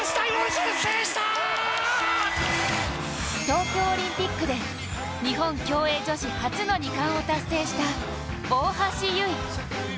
東京オリンピックで日本競泳女子初の２冠を達成した大橋悠依。